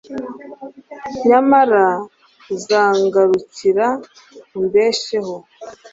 nyamara uzangarukira umbesheho